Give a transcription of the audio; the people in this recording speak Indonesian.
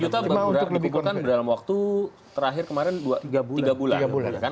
satu juta dikumpulkan dalam waktu terakhir kemarin tiga bulan